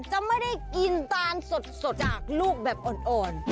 จะไม่ได้กินตาลสดจากลูกแบบอ่อน